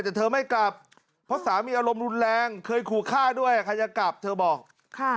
แต่เธอไม่กลับเพราะสามีอารมณ์รุนแรงเคยขู่ฆ่าด้วยใครจะกลับเธอบอกค่ะ